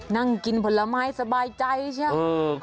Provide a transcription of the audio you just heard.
นั่งกินผลไม้สบายใจใช่ไหม